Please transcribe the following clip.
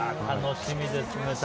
楽しみですね。